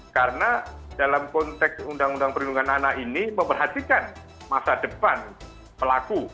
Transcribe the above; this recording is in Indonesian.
karena dalam konteks undang undang perlindungan anak ini memperhatikan masa depan pelaku